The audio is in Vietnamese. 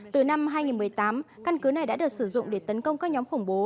từ năm hai nghìn một mươi tám căn cứ này đã được sử dụng để tấn công các nhóm khủng bố